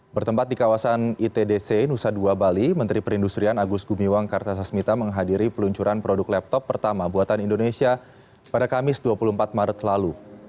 bertempat di kawasan itdc nusa dua bali menteri perindustrian agus gumiwang kartasasmita menghadiri peluncuran produk laptop pertama buatan indonesia pada kamis dua puluh empat maret lalu